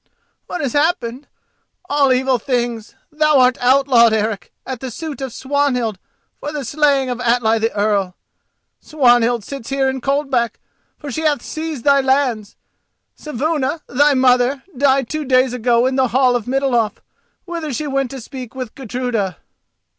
"What has happened? All evil things. Thou art outlawed, Eric, at the suit of Swanhild for the slaying of Atli the Earl. Swanhild sits here in Coldback, for she hath seized thy lands. Saevuna, thy mother, died two days ago in the hall of Middalhof, whither she went to speak with Gudruda."